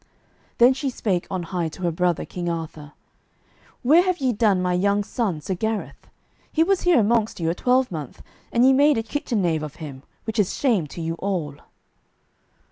Then she spake on high to her brother, King Arthur, "Where have ye done my young son, Sir Gareth? He was here amongst you a twelvemonth, and ye made a kitchen knave of him, which is shame to you all."